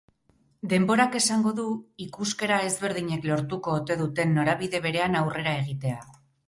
Denborak esango du ikuskera ezberdinek lortuko ote duten norabide berean aurrera egitea.